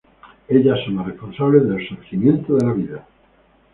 Ellas son las responsables del surgimiento de la vida.